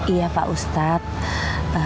iya pak ustadz